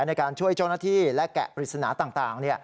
ในการช่วยเจ้าหน้าที่และแกะปริศนาต่าง